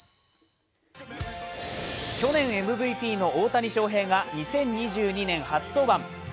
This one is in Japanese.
去年ＭＶＰの大谷翔平が２０２２年初登板。